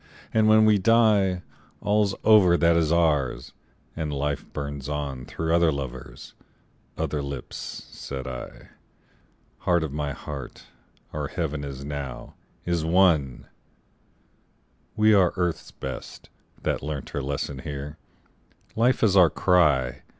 ..." "And when we die All's over that is ours; and life burns on Through other lovers, other lips," said I, "Heart of my heart, our heaven is now, is won!" "We are Earth's best, that learnt her lesson here. Life is our cry.